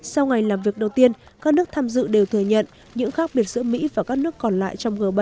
sau ngày làm việc đầu tiên các nước tham dự đều thừa nhận những khác biệt giữa mỹ và các nước còn lại trong g bảy